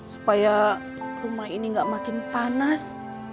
supaya rumah ini gak makin panas